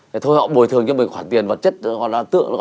thì thôi họ bồi thường cho mình khoản tiền vật chất